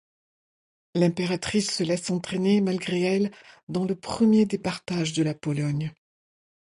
L'impératrice se laisse entraîner malgré elle dans le premier des partages de la Pologne.